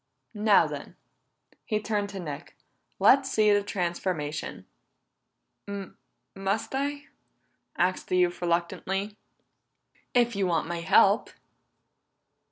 Now then," he turned to Nick, "Let's see this transformation." "Must I?" asked the youth reluctantly. "If you want my help."